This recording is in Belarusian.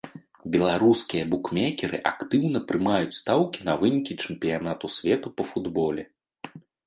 Беларускія букмекеры актыўна прымаюць стаўкі на вынікі чэмпіянату свету па футболе.